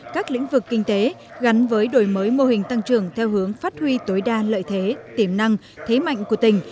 các lĩnh vực kinh tế gắn với đổi mới mô hình tăng trưởng theo hướng phát huy tối đa lợi thế tiềm năng thế mạnh của tỉnh